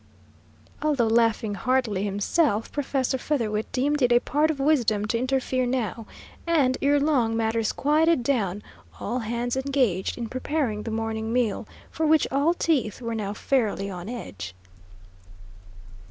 Although laughing heartily himself, Professor Featherwit deemed it a part of wisdom to interfere now, and, ere long, matters quieted down, all hands engaged in preparing the morning meal, for which all teeth were now fairly on edge.